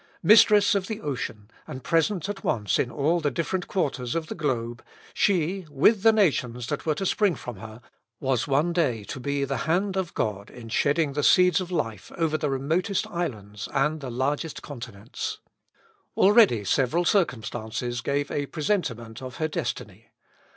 Mistress of the ocean, and present at once in all the different quarters of the globe, she, with the nations that were to spring from her, was one day to be the hand of God in shedding the seeds of life over the remotest islands and the largest continents. Already several circumstances gave a presentiment of her destiny.